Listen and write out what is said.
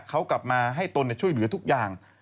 เขากลับมาให้ตนช่วยเหลือทุกอย่าง